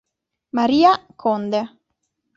María Conde